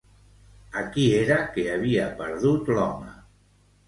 A qui era que havia perdut l'home?